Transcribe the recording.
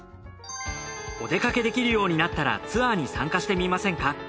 お出かけできるようになったらツアーに参加してみませんか？